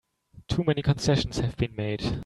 Too many concessions have been made!